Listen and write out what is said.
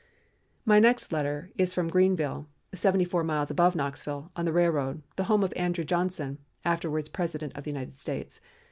My next letter is from Greenville, seventy four miles above Knoxville on the railroad, the home of Andrew Johnson, afterwards President of the United States.